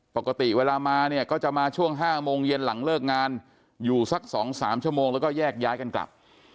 ปกติเวลามาเนี่ยก็จะมาช่วง๕โมงเย็นหลังเลิกงานอยู่สัก๒๓ชั่วโมงแล้วก็แยกย้ายกันกลับ